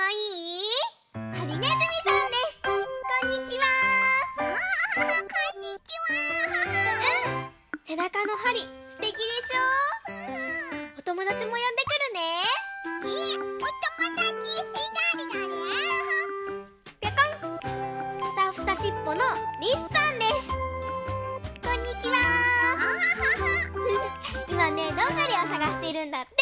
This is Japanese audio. いまねどんぐりをさがしてるんだって。